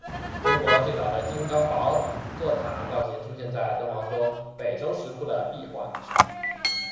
中国最早的金刚宝座塔造型出现在敦煌中北周石窟的壁画之上。